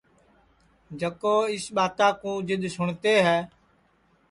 جکو اِس ٻاتا کُو جِدؔ سُٹؔتے ہے